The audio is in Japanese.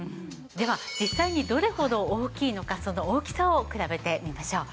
では実際にどれほど大きいのかその大きさを比べてみましょう。